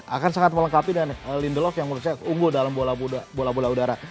akan sangat melengkapi dengan lindelock yang menurut saya unggul dalam bola bola udara